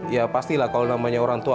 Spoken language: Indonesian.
ya pasti lah kalau namanya orang tua